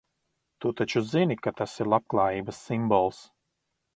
Tu taču zini, ka tas ir labklājības simbols?